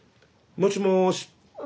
もしもし。